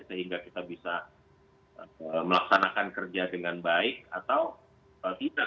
sehingga kita bisa melaksanakan kerja dengan baik atau tidak